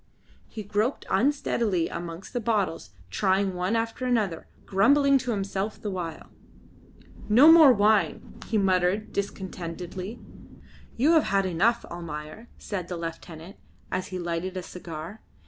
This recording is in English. He groped unsteadily amongst the bottles, trying one after another, grumbling to himself the while. "No more wine," he muttered discontentedly. "You have had enough, Almayer," said the lieutenant, as he lighted a cigar.